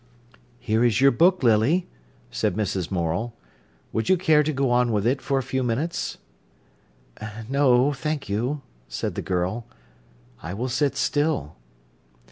"Here is your book, Lily," said Mrs. Morel. "Would you care to go on with it for a few minutes?" "No, thank you," said the girl. "I will sit still."